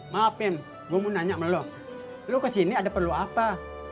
maafin gua mau nanya sama lo lo kesini ada perlu apa